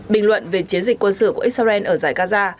bình luận về chiến dịch quân sự của israel ở giải gaza